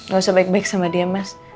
gak usah baik baik sama dia mas